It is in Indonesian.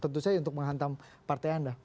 tentu saja untuk menghantam partai anda